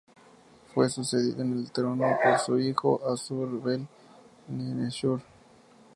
Fue sucedido en el trono por su hijo Assur-bel-nisheshu.